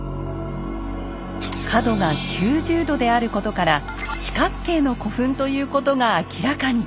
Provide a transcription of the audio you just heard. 角が９０度であることから四角形の古墳ということが明らかに。